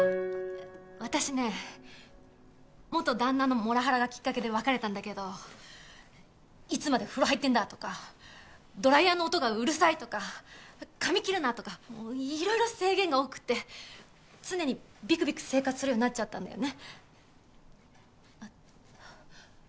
私ね元旦那のモラハラがきっかけで別れたんだけど「いつまで風呂入ってるんだ」とか「ドライヤーの音がうるさい」とか「髪切るな」とかいろいろ制限が多くて常にビクビク生活するようになっちゃったんだよね。